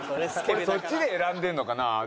俺そっちで選んでんのかな？